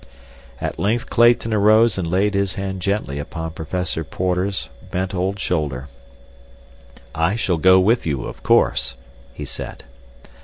At length Clayton arose and laid his hand gently upon Professor Porter's bent old shoulder. "I shall go with you, of course," he said.